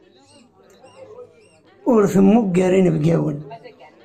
Ur temmuger inebgawen.